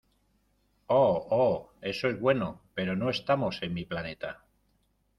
Oh. Oh, eso es bueno . pero no estamos en mi planeta .